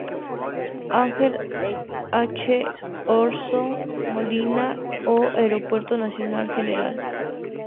Ángel H. Corzo Molina o Aeropuerto nacional Gral.